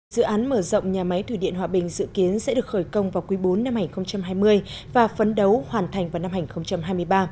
dự án mở rộng nhà máy thủy điện hòa bình dự kiến sẽ được khởi công vào quý bốn năm hai nghìn hai mươi và phấn đấu hoàn thành vào năm hai nghìn hai mươi ba